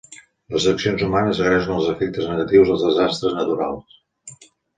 Les accions humanes agreugen els efectes negatius dels desastres naturals.